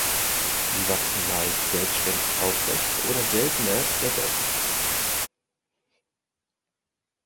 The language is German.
Sie wachsen meist selbständig aufrecht oder seltener kletternd.